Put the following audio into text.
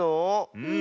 うん。